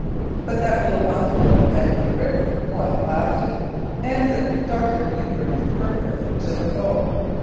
But that little hospital on the bank of the river, while it lasted, answered Dr. Mewburn's purpose to the full.